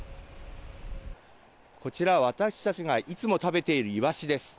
こちら、私たちがいつも食べているイワシです。